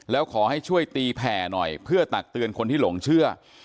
แล้วขอให้ช่วยตีแผ่หน่อยเพื่อตักเตือนคนที่หลงเชื่อ